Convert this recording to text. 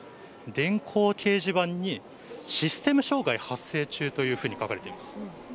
電光掲示板にシステム障害発生中と書かれています。